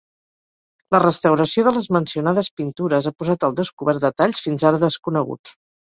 La restauració de les mencionades pintures ha posat al descobert detalls fins ara desconeguts.